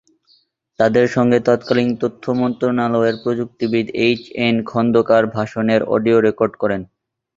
তাদের সঙ্গে তৎকালীন তথ্য মন্ত্রণালয়ের প্রযুক্তিবিদ এইচ এন খোন্দকার ভাষণের অডিও রেকর্ড করেন।